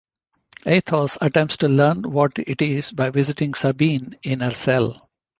Athos attempts to learn what it is by visiting Sabine in her cell.